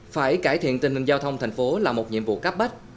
phải cải thiện tình hình giao thông tp hcm là một nhiệm vụ cắp bách